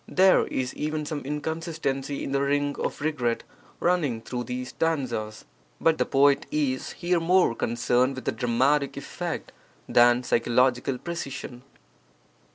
There is even some inconsistency in the ring of regret running through these stanzas. But the poet is here more concerned with dramatic effect than psychological precision.